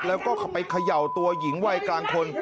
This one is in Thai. แล้วก็ไปเขย่าตัวหญิงวัยกลางคน